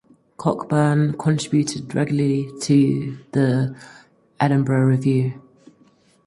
Cockburn contributed regularly to the "Edinburgh Review".